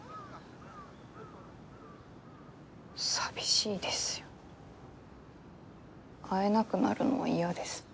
寂しいですよ会えなくなるのは嫌です。